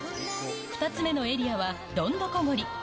２つ目のエリアは、どんどこ森。